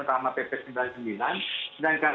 sama pp sembilan puluh sembilan sedangkan